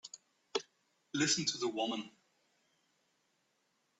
Listen to the woman!